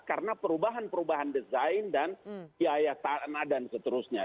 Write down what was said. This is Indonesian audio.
karena perubahan perubahan desain dan biaya tanah dan seterusnya